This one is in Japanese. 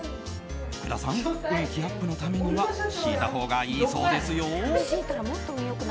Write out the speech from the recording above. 福田さん、運気アップのためには敷いたほうがいいそうですよ。